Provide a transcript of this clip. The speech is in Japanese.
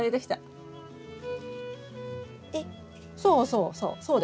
そうそうそう。